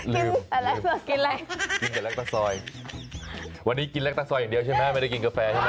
ลืมลืมกินแรกตะซอยอย่างเดียวใช่ไหมไม่ได้กินกาแฟใช่ไหม